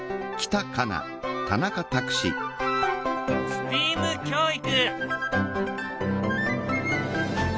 ＳＴＥＡＭ教育。